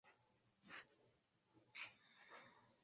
Hurley es "straight edge" y vegano.